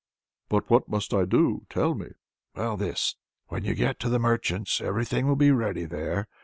"But what must I do? tell me." "Well this. When you get to the merchant's, everything will be ready there.